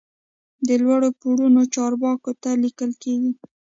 دا لوړ پوړو چارواکو ته لیکل کیږي.